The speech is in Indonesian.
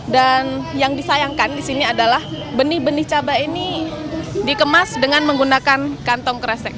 dan yang disayangkan di sini adalah benih benih cabai ini dikemas dengan menggunakan kantong keresek